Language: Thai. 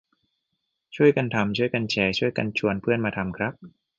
ช่วยกันทำ ช่วยกันแชร์ ช่วยกันชวนเพื่อนมาทำครับ